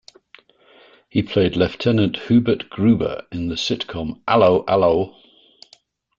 He played Lieutenant Hubert Gruber in the sitcom 'Allo 'Allo!